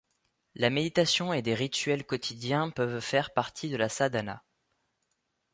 La méditation et des rituels quotidiens peuvent faire partie de la sadhana.